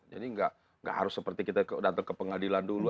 jadi nggak harus seperti kita datang ke pengadilan dulu